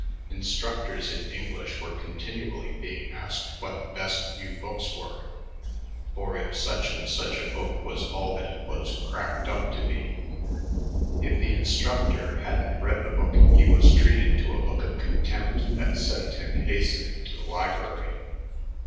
Instructors in English were continually being asked what the best new books were or if such and such a book was all that it was "cracked up to be." If the instructor hadn't read the book, he was treated to a look of contempt that sent him hastening to the library.